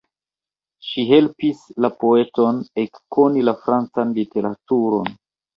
Ŝi helpis la poeton ekkoni la francan literaturon.